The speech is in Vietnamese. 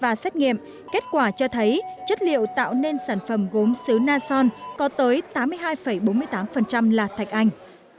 và xét nghiệm kết quả cho thấy chất liệu tạo nên sản phẩm gốm xứ na son có tới tám mươi hai bốn mươi tám là thạch anh